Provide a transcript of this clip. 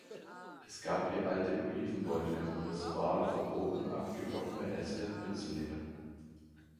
Es gab hier alte Olivenbäume und es war verboten abgebrochene Äste mitzunehmen.